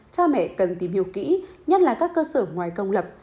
cha mẹ cần tìm hiểu kỹ nhất là các cơ sở ngoài công lập